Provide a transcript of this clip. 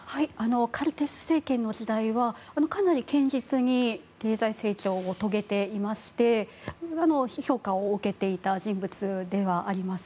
前政権の時代はかなり堅実に経済成長を遂げていまして評価を受けていた人物ではあります。